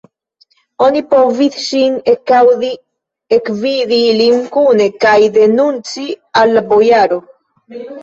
Oni povis ŝin ekaŭdi, ekvidi ilin kune kaj denunci al la bojaro.